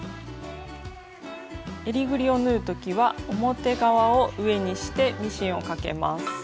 えりぐりを縫う時は表側を上にしてミシンをかけます。